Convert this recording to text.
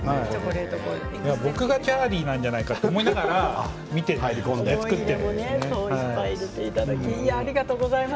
僕がチャーリーなんじゃないかと思いながら作っている。